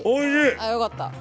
ああよかった。